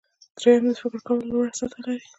دریم د فکر کولو لوړه سطحه لري.